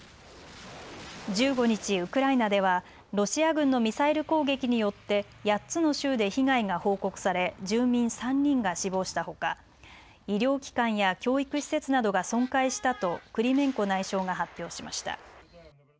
１５日、ウクライナではロシア軍のミサイル攻撃によって８つの州で被害が報告され住民３人が死亡したほか医療機関や教育施設などが損壊したとクリメンコ内相が発表しました。